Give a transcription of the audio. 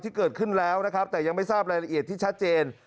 ที่เกิดขึ้นแล้วนะครับแต่ยังไม่ทราบรายละเอียดที่ชัดเจน